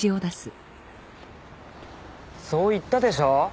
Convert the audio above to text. そう言ったでしょ。